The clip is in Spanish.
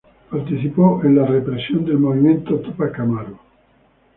Participó en la represión del movimiento de Túpac Amaru.